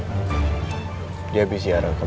artinya pak al